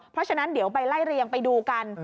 เพราะฉะนั้นเดี๋ยวไปไล่เรียงไปดูกัน